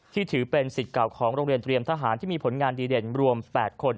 ถือเป็นสิทธิ์เก่าของโรงเรียนเตรียมทหารที่มีผลงานดีเด่นรวม๘คน